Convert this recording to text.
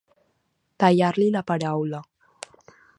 Tallar-li la paraula.